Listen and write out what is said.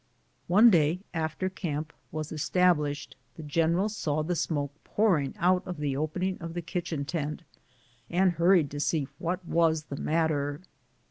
One day, after camp was re established, the general saw the smoke pouring out of the opening of the kitchen tent, and hurried to see what was the matter.